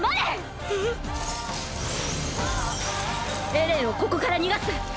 エレンをここから逃がす！！